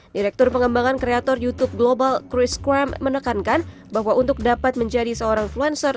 direktur pengembangan kreator youtube global chris kram menekankan bahwa untuk dapat menjadi seorang influencer